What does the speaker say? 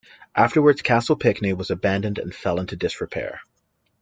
Afterwards, Castle Pinckney was abandoned and fell into disrepair.